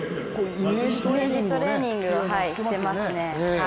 イメージトレーニングをしてますね。